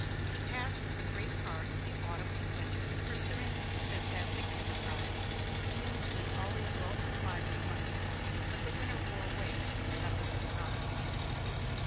He passed a great part of the autumn and winter pursuing this fantastic enterprise, seeming to be always well supplied with money; but the winter wore away, and nothing was accomplished.